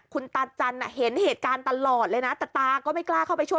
คุณตาจันทร์เห็นเหตุการณ์ตลอดเลยนะแต่ตาก็ไม่กล้าเข้าไปช่วย